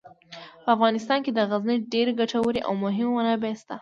په افغانستان کې د غزني ډیرې ګټورې او مهمې منابع شته.